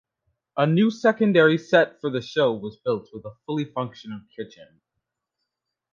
A new secondary set for the show was built with a fully functional kitchen.